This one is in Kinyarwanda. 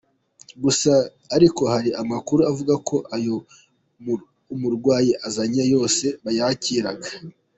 Gusa ariko hari amakuru avuga ko ayo umurwayi azanye yose bayakiraga.